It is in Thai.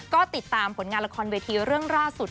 ก็ติดตามผลงานละครเวทีเรื่องล่าสุด